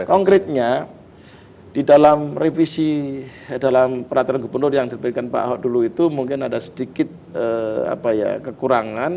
konkretnya di dalam revisi dalam peraturan gubernur yang diberikan pak ahok dulu itu mungkin ada sedikit kekurangan